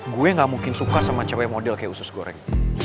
gue gak mungkin suka sama cewek model kayak usus goreng